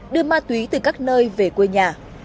đưa ma túy từ các nơi về quê nhà